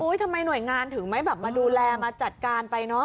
ทำไมหน่วยงานถึงไม่แบบมาดูแลมาจัดการไปเนอะ